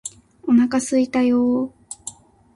お腹すいたよーー